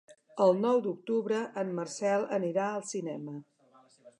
El nou d'octubre en Marcel anirà al cinema.